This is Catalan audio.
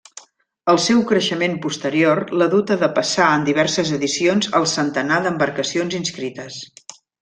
El seu creixement posterior l'ha dut a depassar en diverses edicions el centenar d'embarcacions inscrites.